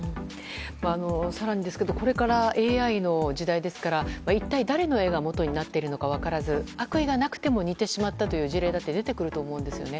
更にですけど、これからＡＩの時代ですから、一体誰の絵がもとになっているのか分からず悪意がなくても似てしまったという事例も出てくると思うんですよね。